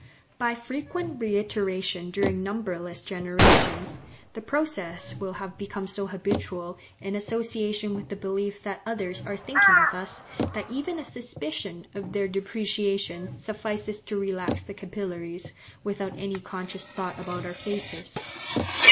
By frequent reiteration during numberless generations, the process will have become so habitual, in association with the belief that others are thinking of us, that even a suspicion of their depreciation suffices to relax the capillaries, without any conscious thought about our faces.